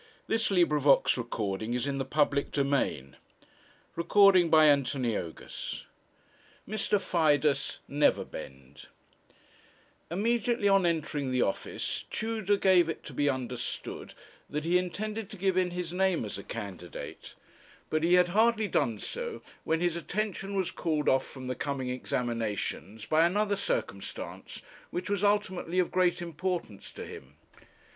Alaric's present income was £200; that which he hoped to gain was £600! CHAPTER VII MR. FIDUS NEVERBEND Immediately on entering the office, Tudor gave it to be understood that he intended to give in his name as a candidate; but he had hardly done so when his attention was called off from the coming examinations by another circumstance, which was ultimately of great importance to him.